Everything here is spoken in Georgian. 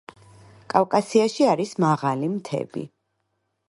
კავკასიაში არის მაღალი მთები